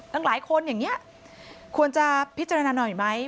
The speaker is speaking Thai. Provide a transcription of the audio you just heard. ตั้งหลายคนอย่างนี้ควรจะพิจารณาหน่อยไหม